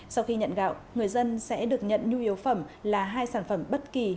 sau khi nhận gạo người dân sẽ được nhận nhu yếu phẩm là hai sản phẩm bất kỳ